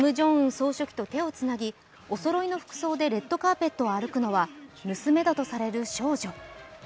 総書記と手をつなぎ、おそろいの服装でレッドカーペットを歩くのは娘だとされる少女。